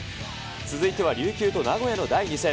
続いては琉球と名古屋の第２戦。